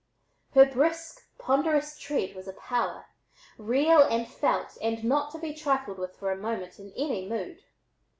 Her brisk, ponderous tread was a power, real and felt, and not to be trifled with for a moment in any mood.